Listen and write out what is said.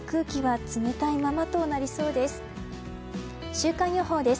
週間予報です。